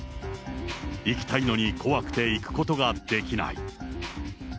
行きたいのに怖くて行くことができない。